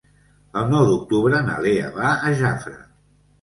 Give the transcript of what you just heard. El nou d'octubre na Lea va a Jafre.